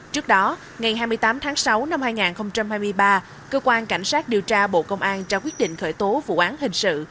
trước đó ngày hai mươi tám tháng sáu năm hai nghìn hai mươi ba cơ quan cảnh sát điều tra bộ công an trao quyết định khởi tố vụ án hình sự